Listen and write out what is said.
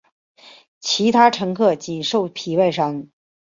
其他乘客仅受皮外伤。